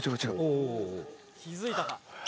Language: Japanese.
気づいたか？